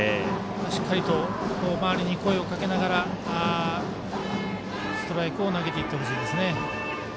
しっかりと周りに声をかけながらストライクを投げていってほしいですね。